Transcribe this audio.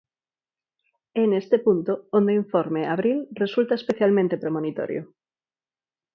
É neste punto onde o Informe Abril resulta especialmente premonitorio.